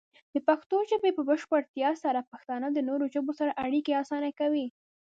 د پښتو ژبې په بشپړتیا سره، پښتانه د نورو ژبو سره اړیکې اسانه کوي.